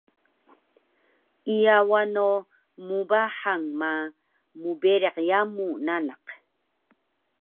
Iya wano mbahang ma mberiq yamu nanak